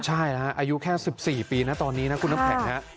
ใช่นะฮะอายุแค่๑๔ปีนะตอนนี้นะคุณน้ำแข็ง